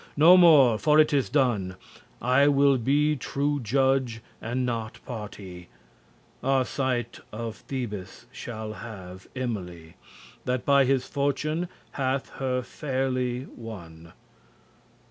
no more, for it is done! I will be true judge, and not party. Arcite of Thebes shall have Emily, That by his fortune hath her fairly won."